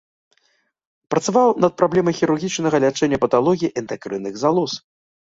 Працаваў над праблемамі хірургічнага лячэння паталогіі эндакрынных залоз.